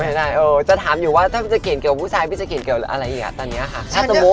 ไม่ได้จะถามอยู่ว่าถ้าจะเขียนเกี่ยวผู้ชายพี่จะเขียนเกี่ยวอะไรอีกอะตอนนี้อะค่ะ